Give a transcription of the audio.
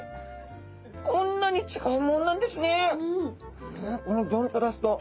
こんなに違うもんなんですね。